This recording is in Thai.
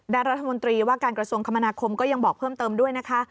รัฐมนตรีว่าการกระทรวงคมนาคมก็ยังบอกเพิ่มเติมด้วยนะคะ